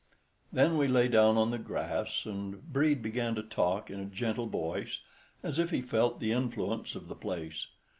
Then we lay down on the grass, and Brede began to talk, in a gentle voice, as if he felt the influence of the place.